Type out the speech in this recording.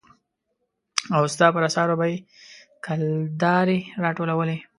او ستا پر اثارو به يې کلدارې را ټولولې.